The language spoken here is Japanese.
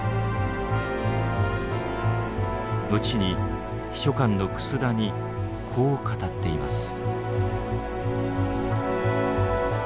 後に秘書官の楠田にこう語っています。